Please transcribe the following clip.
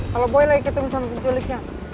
kalau boy lagi ketemu sama penculiknya